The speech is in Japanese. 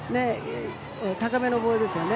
高めのボールですよね。